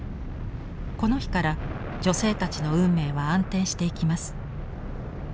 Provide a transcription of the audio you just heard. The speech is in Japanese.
この日から女性たちの運命は暗転していきます。